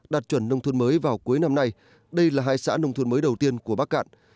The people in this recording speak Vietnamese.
đạt chuẩn nông thôn mới vào cuối năm nay đây là hai xã nông thôn mới đầu tiên của bắc cạn